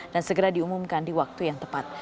dan segera diumumkan di waktu yang tepat